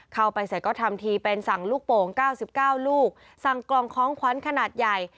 เข้าไปเสร็จก็ทำทีเป็นสั่งลูกโป่ง๙๙ลูกสั่งกล่องของขวัญขนาดใหญ่